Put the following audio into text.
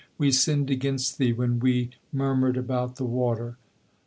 We sinned against Thee when we murmured about the water."